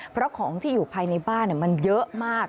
เพราะของที่อยู่ภายในบ้านมันเยอะมาก